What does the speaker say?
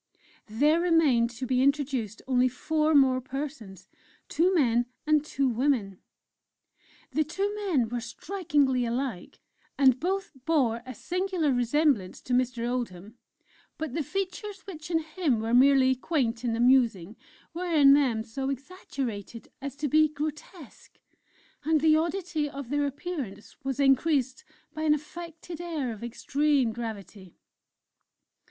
There remained to be introduced only four more persons, two men, and two women. The two men were strikingly alike, and both bore a singular resemblance to Mr. Oldham; but the features which in him were merely quaint and amusing, were in them so exaggerated as to be grotesque; and the oddity of their appearance was increased by an affected air of extreme gravity.